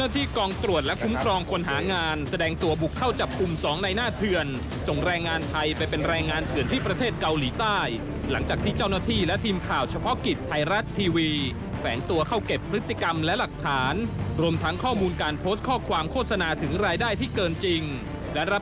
ติดตามเรื่องนี้พร้อมกันจากรายงานครับ